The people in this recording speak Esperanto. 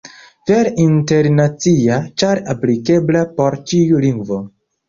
Vere internacia, ĉar aplikebla por ĉiu lingvo.